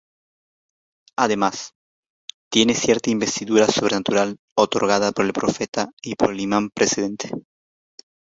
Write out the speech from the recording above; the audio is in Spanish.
Además, tiene cierta investidura sobrenatural otorgada por el profeta y por el imam precedente.